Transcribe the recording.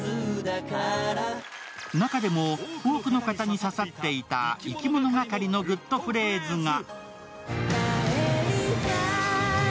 中でも多くの方に刺さっていた生き物がかりのグッとフレーズが。